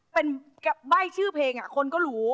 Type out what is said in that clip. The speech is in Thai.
เป็นใบ้ชื่อเพลงคนก็รู้